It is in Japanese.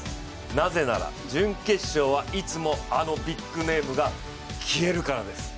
なぜなら準決勝はいつも、あのビッグネームが消えるからです。